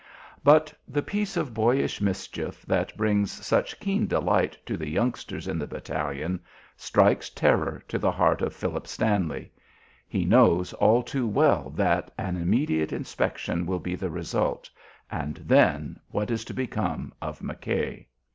But the piece of boyish mischief that brings such keen delight to the youngsters in the battalion strikes terror to the heart of Philip Stanley. He knows all too well that an immediate inspection will be the result, and then, what is to become of McKay?